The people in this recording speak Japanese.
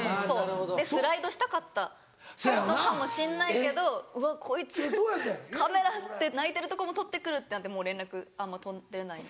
スライドしたかったのかもしんないけど「うわこいつカメラで泣いてるとこも撮ってくる」ってなってもう連絡あんま取れない。